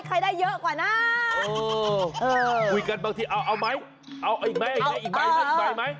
ใครได้เยอะกว่าน่ะเออเออคุยกันบางทีเอาเอาไหมเอาอีกแม่อีกใบอีกใบไหม